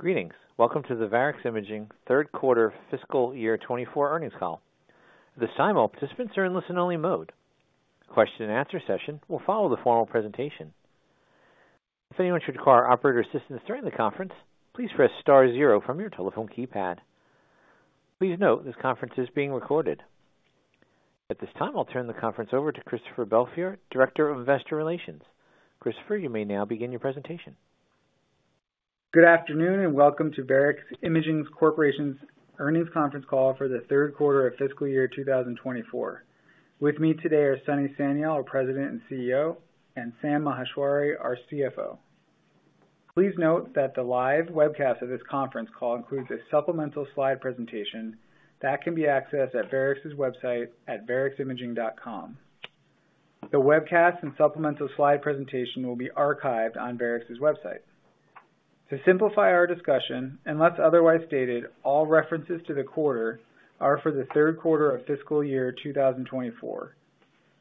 Greetings! Welcome to the Varex Imaging Third Quarter Fiscal Year 2024 Earnings Call. At this time, all participants are in listen-only mode. Question and answer session will follow the formal presentation. If anyone should require operator assistance during the conference, please press star zero from your telephone keypad. Please note, this conference is being recorded. At this time, I'll turn the conference over to Christopher Belfiore, Director of Investor Relations. Christopher, you may now begin your presentation. Good afternoon, and welcome to Varex Imaging Corporation's earnings conference call for the third quarter of fiscal year 2024. With me today are Sunny Sanyal, our President and CEO, and Sam Maheshwari, our CFO. Please note that the live webcast of this conference call includes a supplemental slide presentation that can be accessed at Varex's website at vareximaging.com. The webcast and supplemental slide presentation will be archived on Varex's website. To simplify our discussion, unless otherwise stated, all references to the quarter are for the third quarter of fiscal year 2024.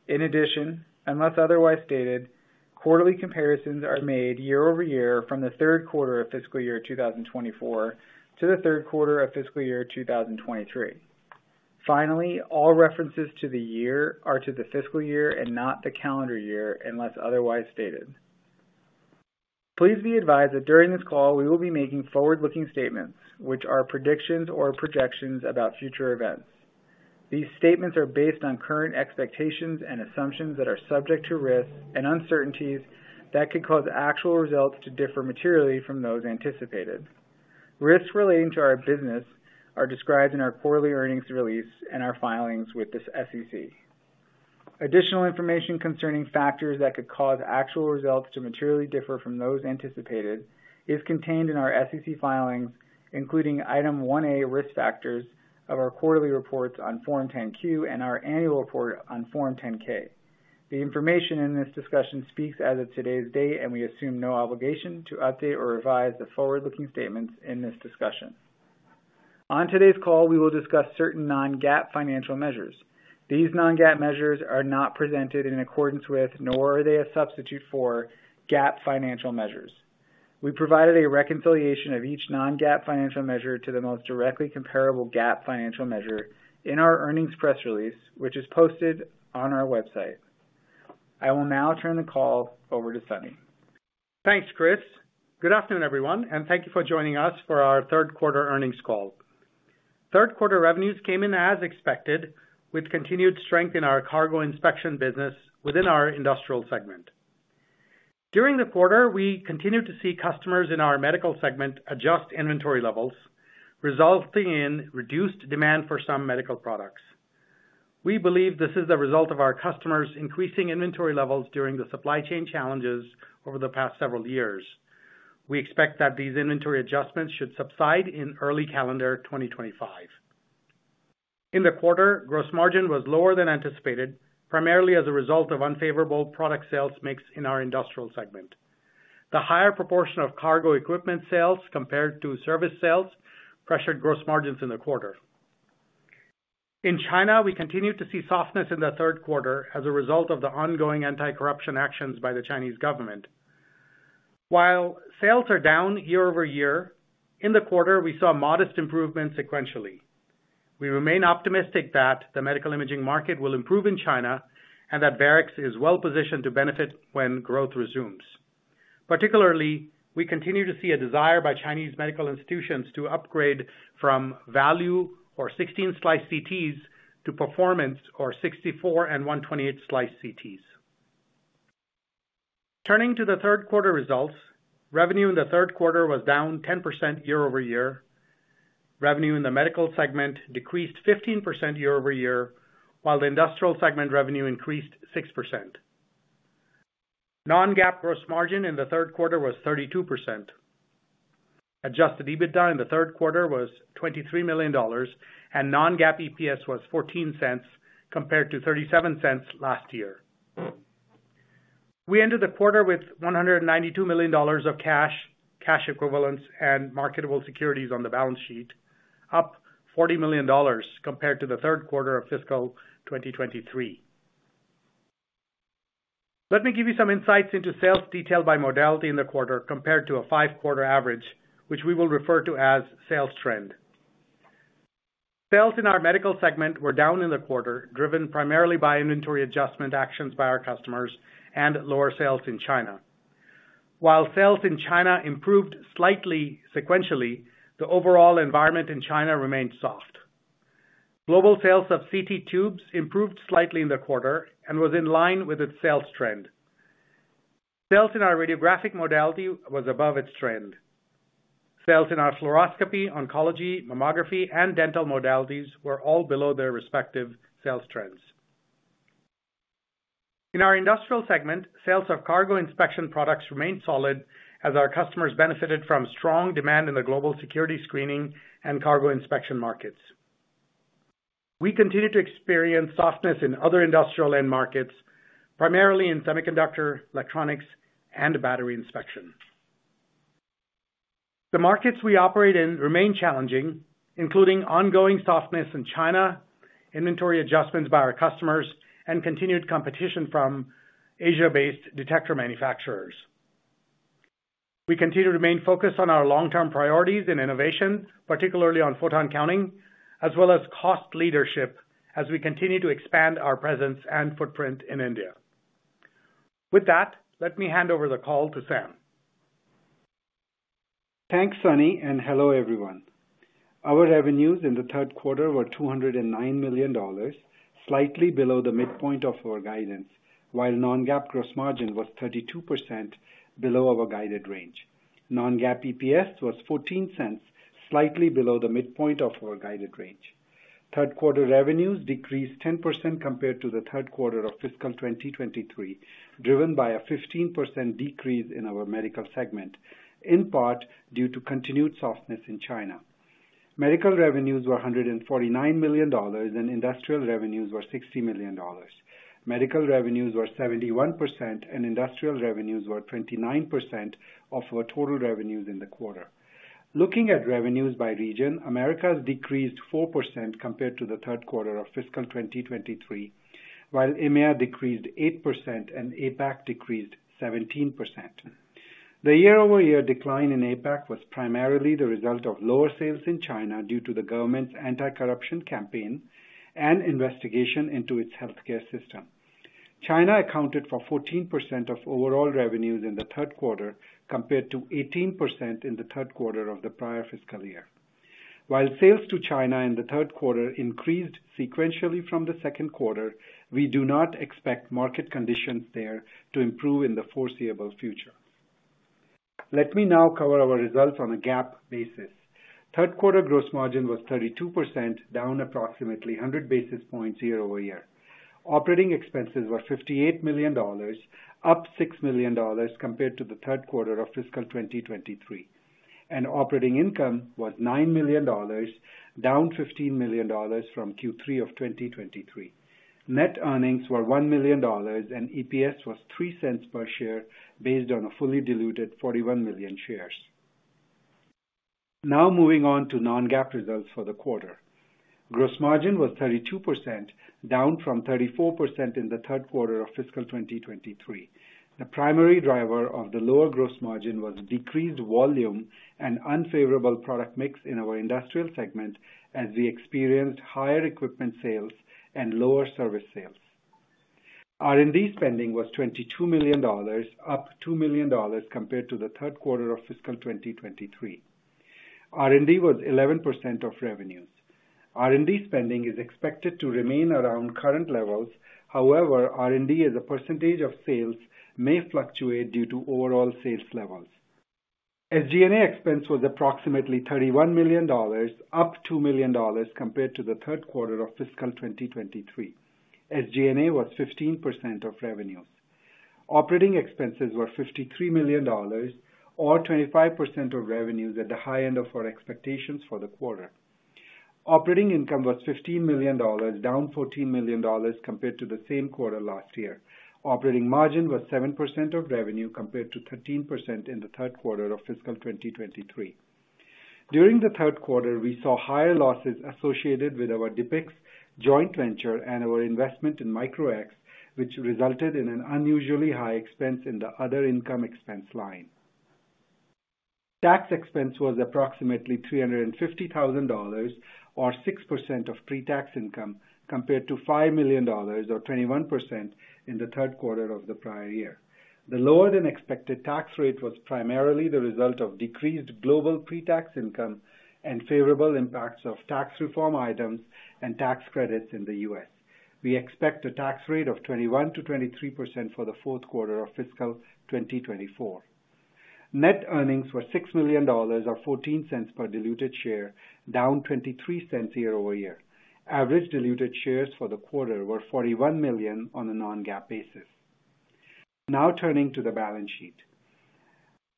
In addition, unless otherwise stated, quarterly comparisons are made year over year from the third quarter of fiscal year 2024 to the third quarter of fiscal year 2023. Finally, all references to the year are to the fiscal year and not the calendar year, unless otherwise stated. Please be advised that during this call, we will be making forward-looking statements, which are predictions or projections about future events. These statements are based on current expectations and assumptions that are subject to risks and uncertainties that could cause actual results to differ materially from those anticipated. Risks relating to our business are described in our quarterly earnings release and our filings with the SEC. Additional information concerning factors that could cause actual results to materially differ from those anticipated is contained in our SEC filings, including Item 1A, Risk Factors of our quarterly reports on Form 10-Q and our annual report on Form 10-K. The information in this discussion speaks as of today's date, and we assume no obligation to update or revise the forward-looking statements in this discussion. On today's call, we will discuss certain non-GAAP financial measures. These non-GAAP measures are not presented in accordance with, nor are they a substitute for GAAP financial measures. We provided a reconciliation of each non-GAAP financial measure to the most directly comparable GAAP financial measure in our earnings press release, which is posted on our website. I will now turn the call over to Sunny. Thanks, Chris. Good afternoon, everyone, and thank you for joining us for our third quarter earnings call. Third quarter revenues came in as expected, with continued strength in our cargo inspection business within our industrial segment. During the quarter, we continued to see customers in our medical segment adjust inventory levels, resulting in reduced demand for some medical products. We believe this is the result of our customers' increasing inventory levels during the supply chain challenges over the past several years. We expect that these inventory adjustments should subside in early calendar 2025. In the quarter, gross margin was lower than anticipated, primarily as a result of unfavorable product sales mix in our industrial segment. The higher proportion of cargo equipment sales compared to service sales pressured gross margins in the quarter. In China, we continued to see softness in the third quarter as a result of the ongoing anti-corruption actions by the Chinese government. While sales are down year-over-year, in the quarter, we saw modest improvement sequentially. We remain optimistic that the medical imaging market will improve in China and that Varex is well positioned to benefit when growth resumes. Particularly, we continue to see a desire by Chinese medical institutions to upgrade from value or 16-slice CTs to performance or 64- and 128-slice CTs. Turning to the third quarter results, revenue in the third quarter was down 10% year-over-year. Revenue in the medical segment decreased 15% year-over-year, while the industrial segment revenue increased 6%. Non-GAAP gross margin in the third quarter was 32%. Adjusted EBITDA in the third quarter was $23 million, and non-GAAP EPS was $0.14, compared to $0.37 last year. We ended the quarter with $192 million of cash, cash equivalents, and marketable securities on the balance sheet, up $40 million compared to the third quarter of fiscal 2023. Let me give you some insights into sales detail by modality in the quarter, compared to a 5-quarter average, which we will refer to as sales trend. Sales in our medical segment were down in the quarter, driven primarily by inventory adjustment actions by our customers and lower sales in China. While sales in China improved slightly sequentially, the overall environment in China remained soft. Global sales of CT tubes improved slightly in the quarter and was in line with its sales trend. Sales in our radiographic modality was above its trend. Sales in our fluoroscopy, oncology, mammography, and dental modalities were all below their respective sales trends. In our industrial segment, sales of cargo inspection products remained solid as our customers benefited from strong demand in the global security screening and cargo inspection markets. We continued to experience softness in other industrial end markets, primarily in semiconductor, electronics, and battery inspection.... The markets we operate in remain challenging, including ongoing softness in China, inventory adjustments by our customers, and continued competition from Asia-based detector manufacturers. We continue to remain focused on our long-term priorities in innovation, particularly on photon counting, as well as cost leadership, as we continue to expand our presence and footprint in India. With that, let me hand over the call to Sam. Thanks, Sunny, and hello, everyone. Our revenues in the third quarter were $209 million, slightly below the midpoint of our guidance, while non-GAAP gross margin was 32% below our guided range. Non-GAAP EPS was $0.14, slightly below the midpoint of our guided range. Third quarter revenues decreased 10% compared to the third quarter of fiscal 2023, driven by a 15% decrease in our medical segment, in part due to continued softness in China. Medical revenues were $149 million, and industrial revenues were $60 million. Medical revenues were 71%, and industrial revenues were 29% of our total revenues in the quarter. Looking at revenues by region, Americas decreased 4% compared to the third quarter of fiscal 2023, while EMEA decreased 8% and APAC decreased 17%. The year-over-year decline in APAC was primarily the result of lower sales in China due to the government's anti-corruption campaign and investigation into its healthcare system. China accounted for 14% of overall revenues in the third quarter, compared to 18% in the third quarter of the prior fiscal year. While sales to China in the third quarter increased sequentially from the second quarter, we do not expect market conditions there to improve in the foreseeable future. Let me now cover our results on a GAAP basis. Third quarter gross margin was 32%, down approximately 100 basis points year over year. Operating expenses were $58 million, up $6 million compared to the third quarter of fiscal 2023, and operating income was $9 million, down $15 million from Q3 of 2023. Net earnings were $1 million, and EPS was $0.03 per share, based on a fully diluted 41 million shares. Now moving on to non-GAAP results for the quarter. Gross margin was 32%, down from 34% in the third quarter of fiscal 2023. The primary driver of the lower gross margin was decreased volume and unfavorable product mix in our industrial segment, as we experienced higher equipment sales and lower service sales. R&D spending was $22 million, up $2 million compared to the third quarter of fiscal 2023. R&D was 11% of revenues. R&D spending is expected to remain around current levels. However, R&D, as a percentage of sales, may fluctuate due to overall sales levels. SG&A expense was approximately $31 million, up $2 million compared to the third quarter of fiscal 2023. SG&A was 15% of revenues. Operating expenses were $53 million or 25% of revenues, at the high end of our expectations for the quarter. Operating income was $15 million, down $14 million compared to the same quarter last year. Operating margin was 7% of revenue, compared to 13% in the third quarter of fiscal 2023. During the third quarter, we saw higher losses associated with our dpiX joint venture and our investment in Micro-X, which resulted in an unusually high expense in the other income expense line. Tax expense was approximately $350,000 or 6% of pre-tax income, compared to $5 million or 21% in the third quarter of the prior year. The lower-than-expected tax rate was primarily the result of decreased global pre-tax income and favorable impacts of tax reform items and tax credits in the US. We expect a tax rate of 21%-23% for the fourth quarter of fiscal 2024. Net earnings were $6 million, or 14 cents per diluted share, down 23 cents year-over-year. Average diluted shares for the quarter were 41 million on a non-GAAP basis. Now turning to the balance sheet.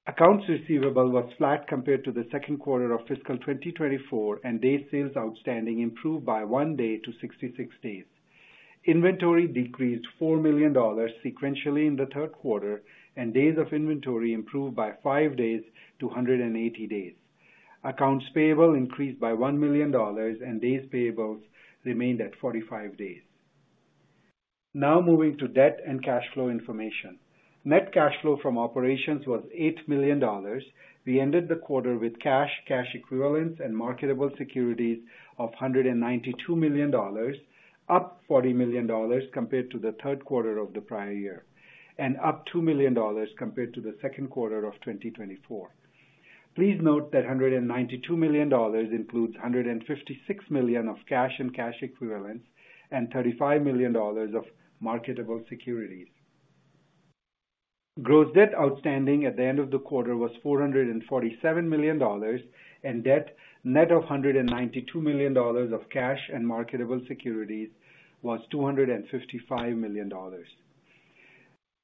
Accounts receivable was flat compared to the second quarter of fiscal 2024, and day sales outstanding improved by 1 day to 66 days. Inventory decreased $4 million sequentially in the third quarter, and days of inventory improved by 5 days to 180 days. Accounts payable increased by $1 million, and days payables remained at 45 days. Now moving to debt and cash flow information. Net cash flow from operations was $8 million. We ended the quarter with cash, cash equivalents, and marketable securities of $192 million, up $40 million compared to the third quarter of the prior year, and up $2 million compared to the second quarter of 2024. Please note that $192 million includes $156 million of cash and cash equivalents, and $35 million of marketable securities. Gross debt outstanding at the end of the quarter was $447 million, and debt, net of $192 million of cash and marketable securities, was $255 million.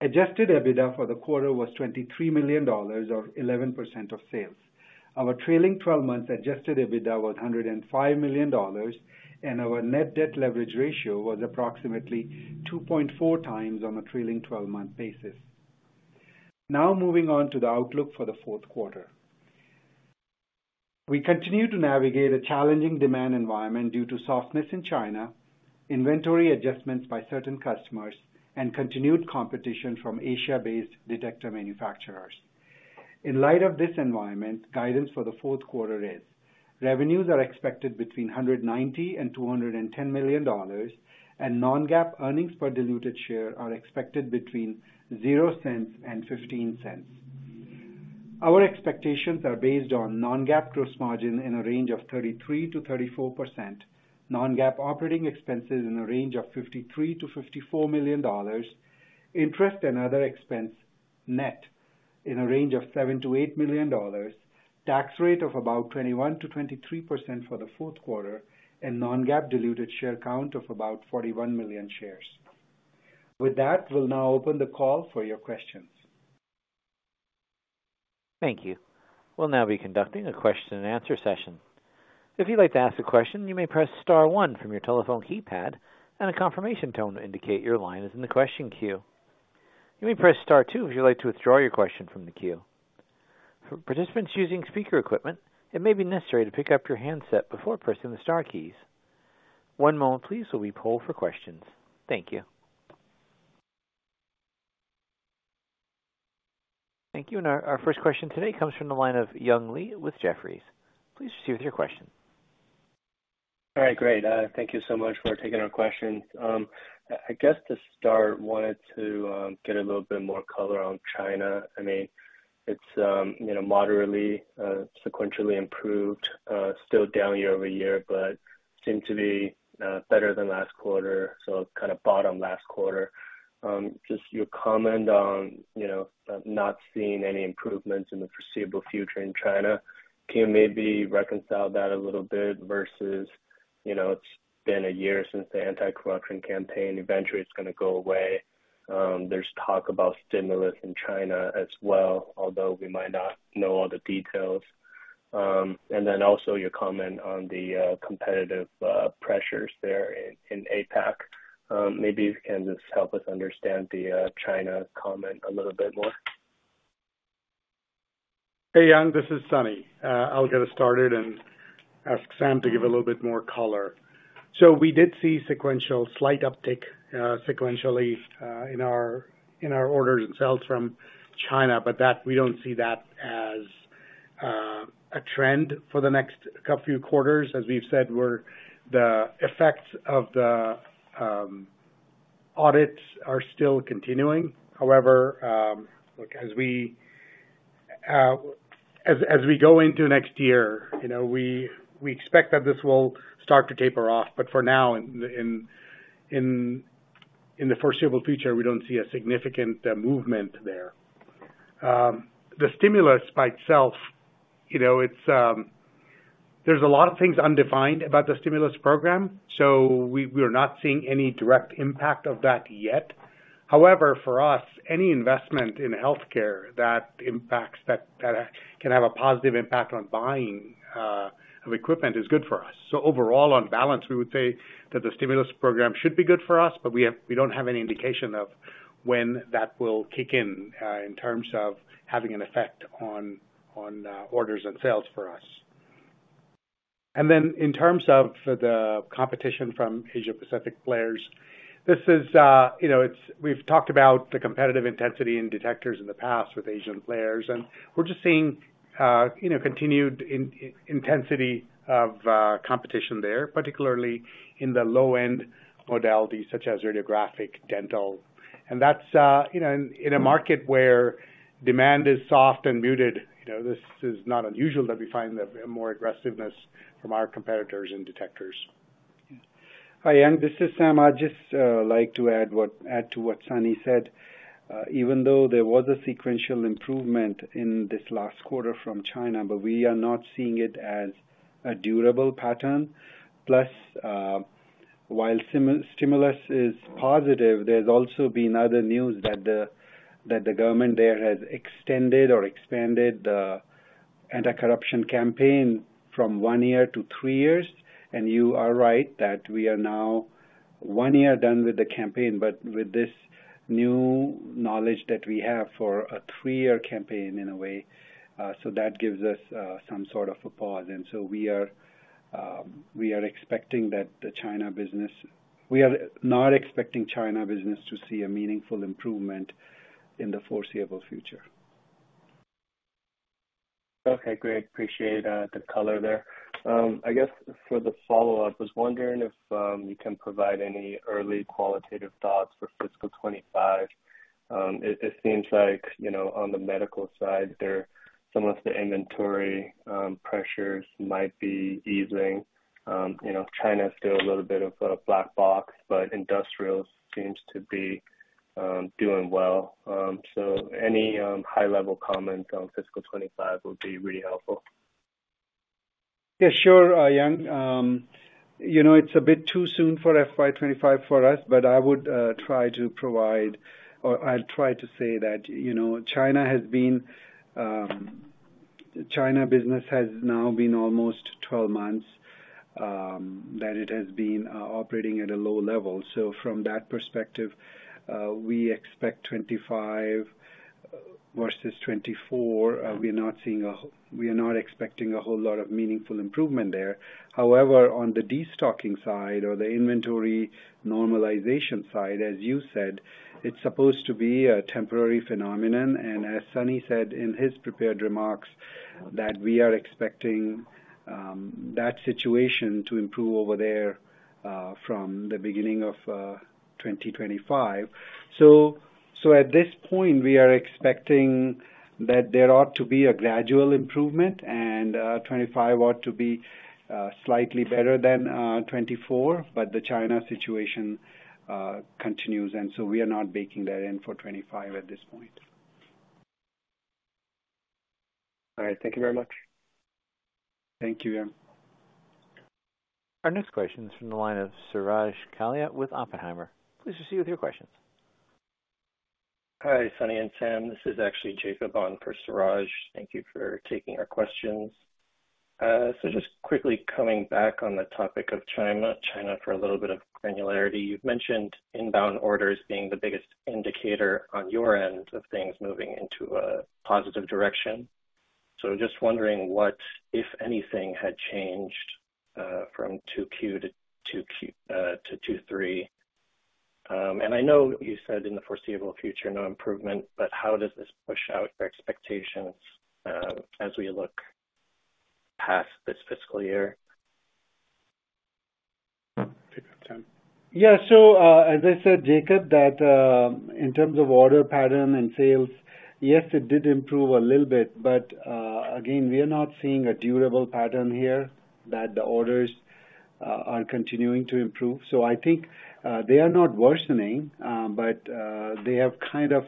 Adjusted EBITDA for the quarter was $23 million or 11% of sales. Our trailing twelve-month adjusted EBITDA was $105 million, and our net debt leverage ratio was approximately 2.4 times on a trailing twelve-month basis. Now moving on to the outlook for the fourth quarter... We continue to navigate a challenging demand environment due to softness in China, inventory adjustments by certain customers, and continued competition from Asia-based detector manufacturers. In light of this environment, guidance for the fourth quarter is: revenues are expected between $190 million and $210 million, and non-GAAP earnings per diluted share are expected between $0.00 and $0.15. Our expectations are based on non-GAAP gross margin in a range of 33%-34%, non-GAAP operating expenses in a range of $53 million-$54 million, interest and other expense net in a range of $7 million-$8 million, tax rate of about 21%-23% for the fourth quarter, and non-GAAP diluted share count of about 41 million shares. With that, we'll now open the call for your questions. Thank you. We'll now be conducting a question and answer session. If you'd like to ask a question, you may press star one from your telephone keypad, and a confirmation tone to indicate your line is in the question queue. You may press star two if you'd like to withdraw your question from the queue. For participants using speaker equipment, it may be necessary to pick up your handset before pressing the star keys. One moment please, while we poll for questions. Thank you. Thank you. And our, our first question today comes from the line of Young Li with Jefferies. Please proceed with your question. All right, great, thank you so much for taking our questions. I guess to start, wanted to get a little bit more color on China. I mean, it's, you know, moderately, sequentially improved, still down year-over-year, but seem to be, better than last quarter, so it kind of bottomed last quarter. Just your comment on, you know, not seeing any improvements in the foreseeable future in China. Can you maybe reconcile that a little bit versus, you know, it's been a year since the anti-corruption campaign, eventually it's going to go away. There's talk about stimulus in China as well, although we might not know all the details. And then also your comment on the, competitive, pressures there in APAC. Maybe you can just help us understand the China comment a little bit more? Hey, Young, this is Sunny. I'll get us started and ask Sam to give a little bit more color. So we did see sequential slight uptick sequentially in our orders and sales from China, but that... We don't see that as a trend for the next few quarters. As we've said, the effects of the audits are still continuing. However, look, as we go into next year, you know, we expect that this will start to taper off, but for now, in the foreseeable future, we don't see a significant movement there. The stimulus by itself, you know, it's, there's a lot of things undefined about the stimulus program, so we are not seeing any direct impact of that yet. However, for us, any investment in healthcare that impacts that, that can have a positive impact on buying of equipment is good for us. So overall, on balance, we would say that the stimulus program should be good for us, but we don't have any indication of when that will kick in, in terms of having an effect on orders and sales for us. And then in terms of the competition from Asia Pacific players, this is, you know, it's we've talked about the competitive intensity in detectors in the past with Asian players, and we're just seeing, you know, continued intensity of competition there, particularly in the low end modalities such as radiographic dental. And that's, you know, in a market where demand is soft and muted, you know, this is not unusual that we find the more aggressiveness from our competitors and detectors. Hi, Young, this is Sam. I'd just like to add to what Sunny said. Even though there was a sequential improvement in this last quarter from China, but we are not seeing it as a durable pattern. Plus, while stimulus is positive, there's also been other news that the government there has extended or expanded the anti-corruption campaign from one year to three years. And you are right, that we are now one year done with the campaign, but with this new knowledge that we have for a three-year campaign in a way, so that gives us some sort of a pause. And so we are expecting that the China business. We are not expecting China business to see a meaningful improvement in the foreseeable future. Okay, great. Appreciate the color there. I guess for the follow-up, I was wondering if you can provide any early qualitative thoughts for fiscal 25. It seems like, you know, on the medical side, there some of the inventory pressures might be easing. You know, China is still a little bit of a black box, but industrials seems to be doing well. So any high-level comments on fiscal 25 would be really helpful. Yeah, sure, Young. You know, it's a bit too soon for FY 25 for us, but I would try to provide or I'll try to say that, you know, China has been, China business has now been almost 12 months that it has been operating at a low level. So from that perspective, we expect 25 versus 24. We are not seeing a—we are not expecting a whole lot of meaningful improvement there. However, on the destocking side or the inventory normalization side, as you said, it's supposed to be a temporary phenomenon, and as Sunny said in his prepared remarks, that we are expecting that situation to improve over there from the beginning of 2025. So, at this point, we are expecting that there ought to be a gradual improvement, and 2025 ought to be slightly better than 2024, but the China situation continues, and so we are not baking that in for 2025 at this point. All right. Thank you very much. Thank you, Jim. Our next question is from the line of Suraj Kalia with Oppenheimer. Please proceed with your questions. Hi, Sunny and Sam. This is actually Jacob on for Suraj. Thank you for taking our questions. So just quickly coming back on the topic of China for a little bit of granularity. You've mentioned inbound orders being the biggest indicator on your end of things moving into a positive direction. So just wondering what, if anything, had changed from 2Q to Q3. And I know you said in the foreseeable future, no improvement, but how does this push out your expectations as we look past this fiscal year? Take that, Sam. Yeah. So, as I said, Jacob, that, in terms of order pattern and sales, yes, it did improve a little bit, but, again, we are not seeing a durable pattern here that the orders are continuing to improve. So I think, they are not worsening, but, they have kind of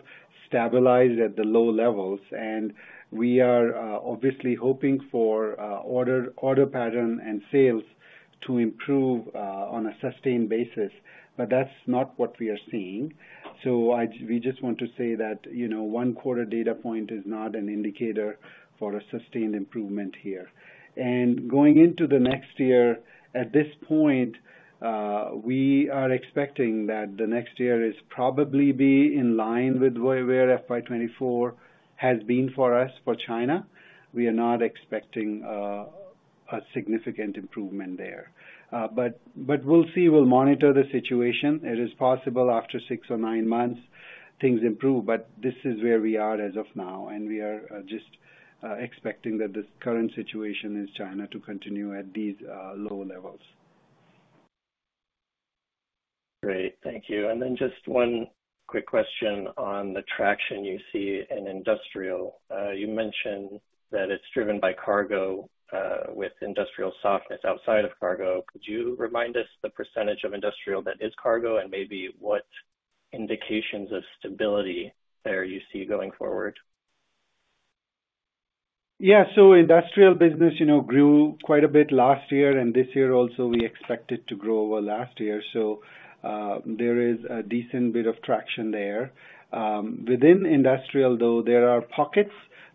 stabilized at the low levels, and we are obviously hoping for order order pattern and sales to improve, on a sustained basis, but that's not what we are seeing. So, we just want to say that, you know, one quarter data point is not an indicator for a sustained improvement here. And going into the next year, at this point, we are expecting that the next year is probably be in line with where FY 2024 has been for us, for China. We are not expecting a significant improvement there. But we'll see. We'll monitor the situation. It is possible after six or nine months, things improve, but this is where we are as of now, and we are just expecting that this current situation in China to continue at these low levels. Great. Thank you. And then just one quick question on the traction you see in industrial. You mentioned that it's driven by cargo, with industrial softness outside of cargo. Could you remind us the percentage of industrial that is cargo, and maybe what indications of stability there you see going forward? Yeah, so industrial business, you know, grew quite a bit last year, and this year also, we expect it to grow over last year, so there is a decent bit of traction there. Within industrial, though, there are pockets,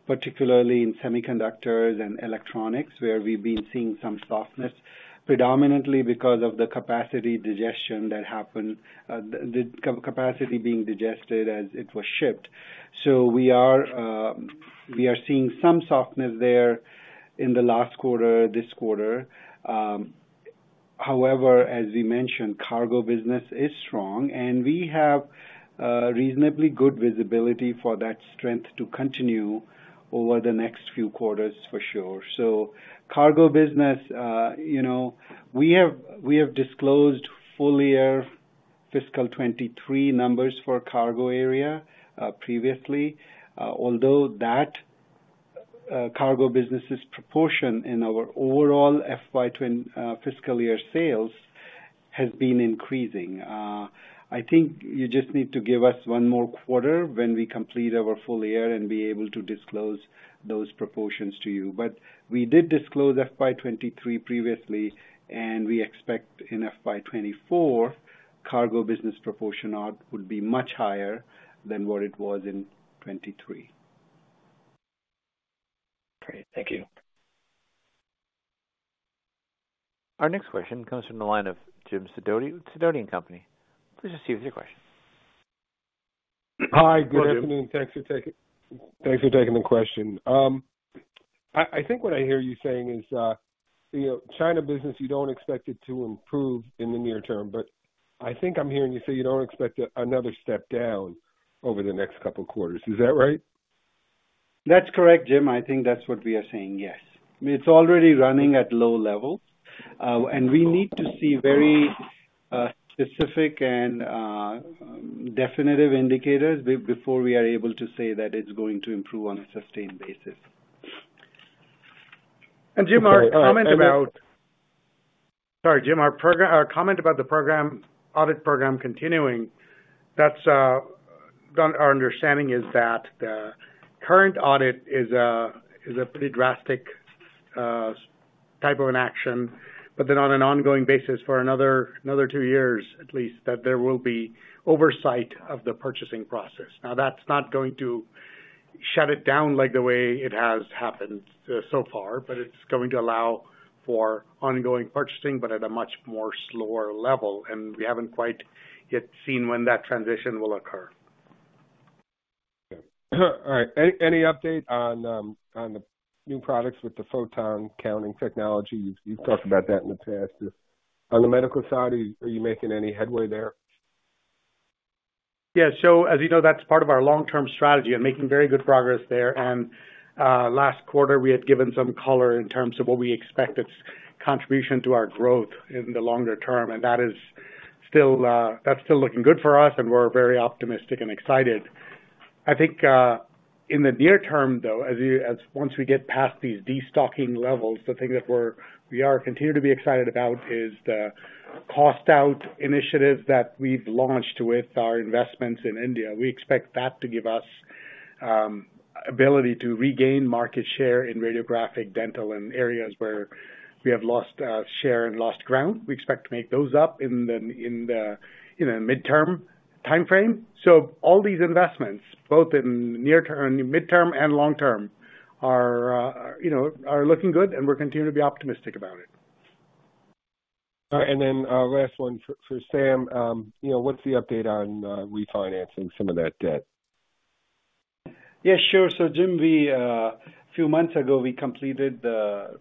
particularly in semiconductors and electronics, where we've been seeing some softness, predominantly because of the capacity digestion that happened, the capacity being digested as it was shipped. So we are seeing some softness there in the last quarter, this quarter. However, as we mentioned, cargo business is strong, and we have a reasonably good visibility for that strength to continue over the next few quarters for sure. So cargo business, you know, we have, we have disclosed full year fiscal 2023 numbers for cargo area, previously, although that, cargo business's proportion in our overall FY 2023 fiscal year sales has been increasing. I think you just need to give us one more quarter when we complete our full year and be able to disclose those proportions to you. But we did disclose FY 2023 previously, and we expect in FY 2024, cargo business proportion would be much higher than what it was in 2023. Great. Thank you. Our next question comes from the line of Jim Sidoti with Sidoti & Company. Please go ahead with your question. Hi, good afternoon. Thanks for taking, thanks for taking the question. I think what I hear you saying is, you know, China business, you don't expect it to improve in the near term, but I think I'm hearing you say you don't expect another step down over the next couple of quarters. Is that right? That's correct, Jim. I think that's what we are saying, yes. It's already running at low level, and we need to see very specific and definitive indicators before we are able to say that it's going to improve on a sustained basis. And, Jim, our comment about... Sorry, Jim, our program—our comment about the program, audit program continuing, that's, from our understanding is that the current audit is a, is a pretty drastic, type of an action, but then on an ongoing basis for another, another two years, at least, that there will be oversight of the purchasing process. Now, that's not going to-... shut it down like the way it has happened so far, but it's going to allow for ongoing purchasing, but at a much more slower level, and we haven't quite yet seen when that transition will occur. All right. Any update on the new products with the photon counting technology? You've talked about that in the past. On the medical side, are you making any headway there? Yeah. So as you know, that's part of our long-term strategy and making very good progress there. And last quarter, we had given some color in terms of what we expect its contribution to our growth in the longer term, and that is still, that's still looking good for us, and we're very optimistic and excited. I think in the near term, though, as once we get past these destocking levels, the thing that we are continuing to be excited about is the cost out initiatives that we've launched with our investments in India. We expect that to give us ability to regain market share in radiographic, dental, and areas where we have lost share and lost ground. We expect to make those up in the midterm timeframe. All these investments, both in near-term, midterm, and long term, are, you know, looking good, and we're continuing to be optimistic about it. Last one for Sam. You know, what's the update on refinancing some of that debt? Yeah, sure. So, Jim, a few months ago, we completed the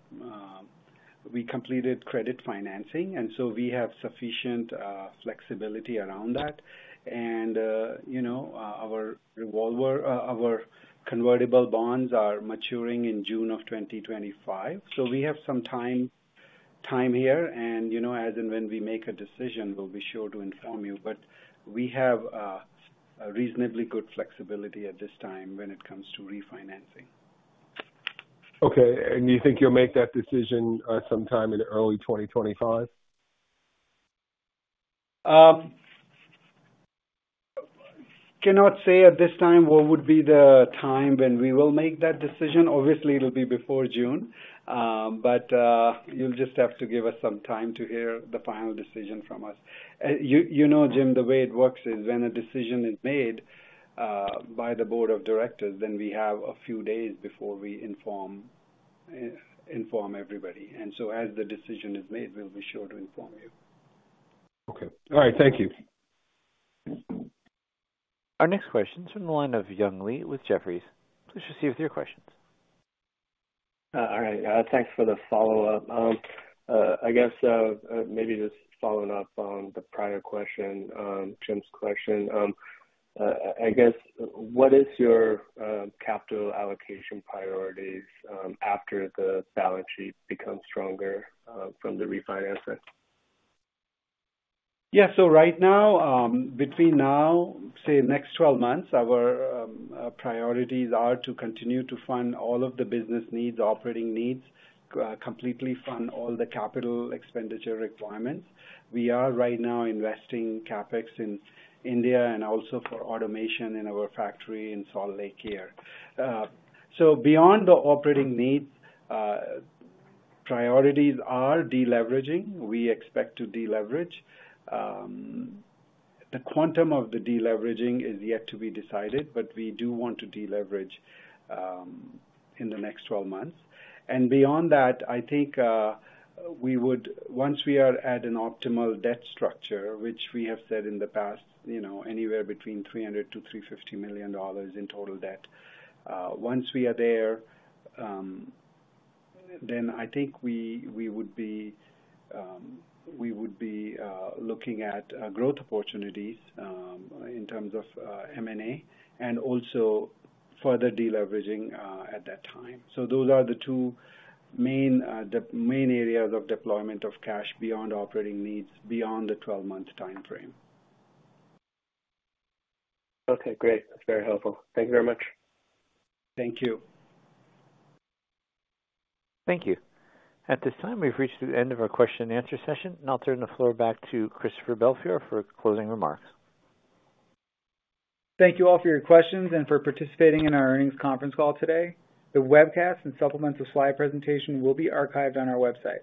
credit financing, and so we have sufficient flexibility around that. And, you know, our revolver, our convertible bonds are maturing in June of 2025. So we have some time here, and, you know, as and when we make a decision, we'll be sure to inform you. But we have a reasonably good flexibility at this time when it comes to refinancing. Okay, and you think you'll make that decision sometime in early 2025? Cannot say at this time what would be the time when we will make that decision. Obviously, it'll be before June, but you'll just have to give us some time to hear the final decision from us. You know, Jim, the way it works is when a decision is made by the board of directors, then we have a few days before we inform everybody, and so as the decision is made, we'll be sure to inform you. Okay. All right. Thank you. Our next question is from the line of Young Li with Jefferies. Please proceed with your questions. All right. Thanks for the follow-up. I guess, maybe just following up on the prior question, Jim's question. I guess, what is your capital allocation priorities after the balance sheet becomes stronger from the refinancing? Yeah. So right now, between now, say, next twelve months, our priorities are to continue to fund all of the business needs, operating needs, completely fund all the capital expenditure requirements. We are right now investing CapEx in India and also for automation in our factory in Salt Lake here. So beyond the operating needs, priorities are deleveraging. We expect to deleverage. The quantum of the deleveraging is yet to be decided, but we do want to deleverage in the next twelve months. And beyond that, I think, we would... Once we are at an optimal debt structure, which we have said in the past, you know, anywhere between $300 million-$350 million in total debt, once we are there, then I think we would be looking at growth opportunities in terms of M&A, and also further deleveraging at that time. So those are the two main areas of deployment of cash beyond operating needs, beyond the twelve-month timeframe. Okay, great. That's very helpful. Thank you very much. Thank you. Thank you. At this time, we've reached the end of our question and answer session. I'll turn the floor back to Christopher Belfiore for closing remarks. Thank you all for your questions and for participating in our earnings conference call today. The webcast and supplemental slide presentation will be archived on our website.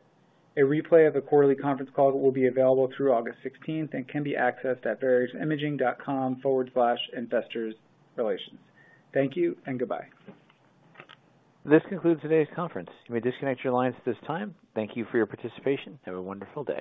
A replay of the quarterly conference call will be available through August sixteenth and can be accessed at vareximaging.com/investor-relations. Thank you and goodbye. This concludes today's conference. You may disconnect your lines at this time. Thank you for your participation. Have a wonderful day.